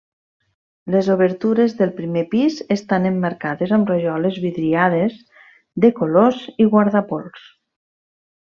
Les obertures del primer pis estan emmarcades amb rajoles vidriades de colors i guardapols.